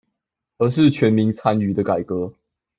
而是全民參與的改革